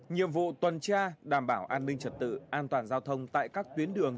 nhiệm vụ tuần tra đảm bảo an ninh trật tự an toàn giao thông tại các tuyến đường